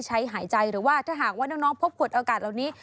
หายใจหรือว่าถ้าหากว่าน้องพบขวดอากาศเหล่านี้